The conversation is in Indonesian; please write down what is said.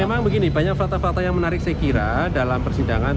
memang begini banyak fakta fakta yang menarik saya kira dalam persidangan